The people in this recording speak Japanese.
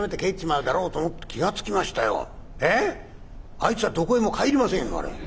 あいつはどこへも帰りませんよあれ。